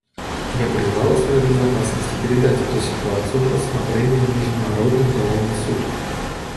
Я призвала Совет Безопасности передать эту ситуацию на рассмотрение в Международный уголовный суд.